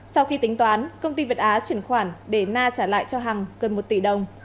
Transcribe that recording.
sau khi tính toán công ty việt á chuyển khoản để na trả lại cho hằng gần một tỷ đồng